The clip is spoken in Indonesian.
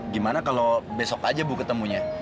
gimana kalau besok aja bu ketemunya